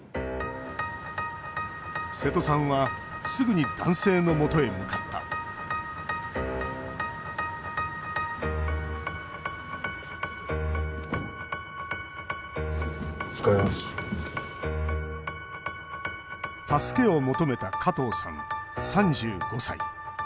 瀬戸さんはすぐに男性のもとへ向かった助けを求めた加藤さん３５歳。